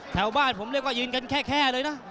แถวบ้านผมเรียกว่ายืนกันแค่เลยนะ